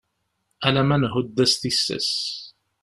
Ala ma nhudd-as tissas.